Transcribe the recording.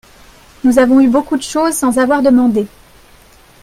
nous avons eu beaucoup de choses sans avoir demandé.